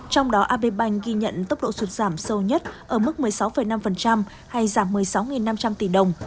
trong đó abbank ghi nhận tốc độ sụt giảm sâu nhất ở mức một mươi sáu năm hay giảm một mươi sáu năm trăm linh tỷ đồng